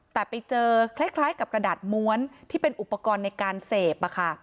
แต่ไปเจอคล้ายกับกระดาษม้วนที่เป็นอุปกรณ์ในการเสพ